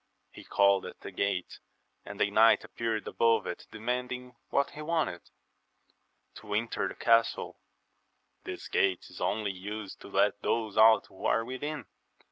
He called at the gate, and a knight appeared above it, demanding what he wanted. — To enter the castle. — This gate is only used to let those out who are within.